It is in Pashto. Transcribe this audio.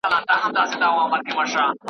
حافظه، ژبه او تمدني ریښې وساتي